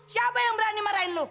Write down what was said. siapa yang berani marahin lu